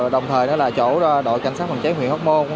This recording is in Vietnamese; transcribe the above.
đồng thời là chỗ đội cảnh sát phòng trái huyện hóc môn